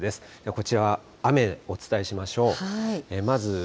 こちら、雨お伝えしましょう。